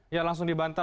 ya langsung dibantah